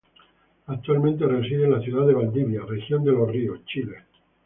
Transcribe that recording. Actualmente reside en la ciudad de Valdivia, Región de Los Ríos, Chile.